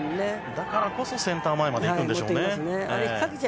だからこそセンター前までいくんでしょうね。